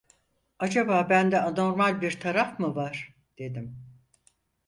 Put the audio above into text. Acaba bende anormal bir taraf mı var, dedim.